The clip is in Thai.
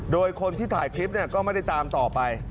โดยคนที่ถ่ายคลิปก็ไม่ได้ตามต่อไป